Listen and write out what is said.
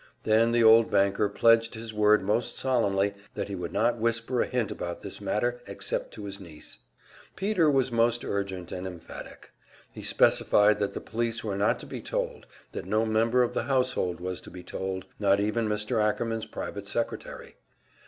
Then the old banker pledged his word most solemnly that he would not whisper a hint about this matter except to his niece. Peter was most urgent and emphatic; he specified that the police were not to be told, that no member of the household was to be told, not even Mr. Ackerman's private secretary.